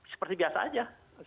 seperti biasa aja